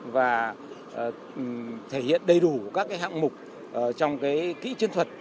và thể hiện đầy đủ các hạng mục trong kỹ chiến thuật